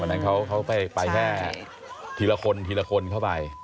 นั้นเขาไปแค่ทีละคนทีละคนเข้าไป